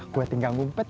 gue tinggang bupet